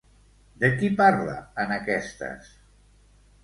De qui parla en aquestes?